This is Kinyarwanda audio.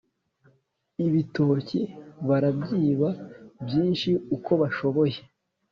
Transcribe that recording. ibitoki barabyiba byinshi uko bashoboye